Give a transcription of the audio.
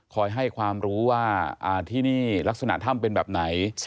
ให้ความรู้ว่าที่นี่ลักษณะถ้ำเป็นแบบไหน